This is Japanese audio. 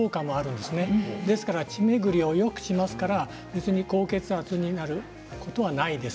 ですから血巡りをよくしますから高血圧になることはないです。